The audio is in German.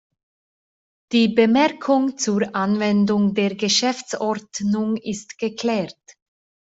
Die Bemerkung zur Anwendung der Geschäftsordnung ist geklärt.